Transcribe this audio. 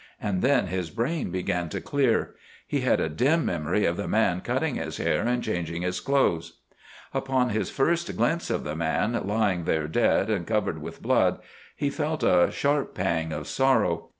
And then his brain began to clear. He had a dim memory of the man cutting his hair and changing his clothes. Upon his first glimpse of the man, lying there dead and covered with blood, he felt a sharp pang of sorrow.